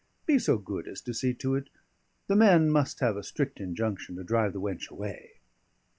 Be so good as to see to it: the men must have a strict injunction to drive the wench away."